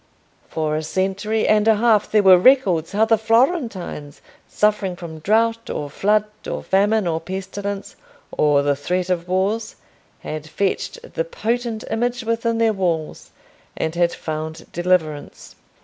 For a century and a half there were records how the Florentines, suffering from drought, or flood, or famine, or pestilence, or the threat of wars, had fetched the potent image within their walls, and had found deliverance.